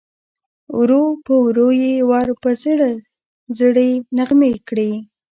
ورو په ورو یې ور په زړه زړې نغمې کړې